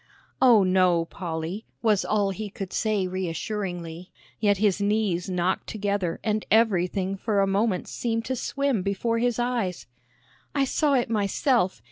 "Oh, no, Polly," was all he could say reassuringly, yet his knees knocked together and everything for a moment seemed to swim before his eyes. "I saw it myself.